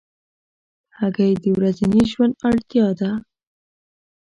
هګۍ د ورځني ژوند اړتیا ده.